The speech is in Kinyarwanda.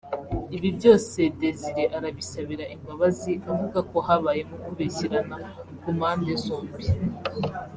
ibi byose Desire arabisabira imbabazi avugako habayemo kubeshyerana ku mpande zombi